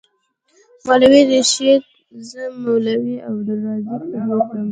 مولوي رشید زه مولوي عبدالرزاق ته بوتلم.